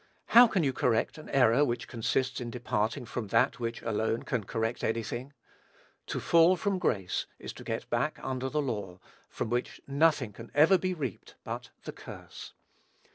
How can you correct an error which consists in departing from that which alone can correct any thing? To fall from grace, is to get back under the law, from which nothing can ever be reaped but "the CURSE."